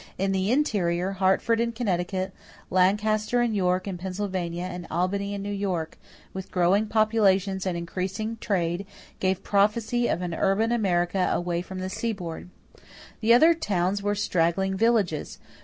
In the interior, Hartford in Connecticut, Lancaster and York in Pennsylvania, and Albany in New York, with growing populations and increasing trade, gave prophecy of an urban America away from the seaboard. The other towns were straggling villages.